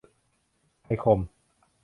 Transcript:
ไทยคม